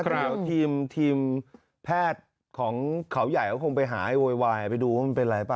ข่าวทีมแพทย์ของเขาใหญ่เขาคงไปหาให้โวยวายไปดูว่ามันเป็นอะไรป่